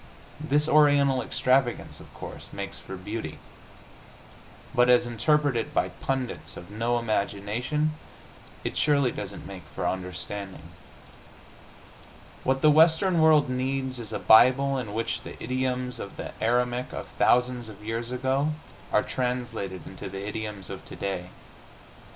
This Oriental extravagance, of course, makes for beauty, but as interpreted by pundits of no imagination it surely doesn't make for understanding. What the Western World needs is a Bible in which the idioms of the Aramaic of thousands of years ago are translated into the idioms of today.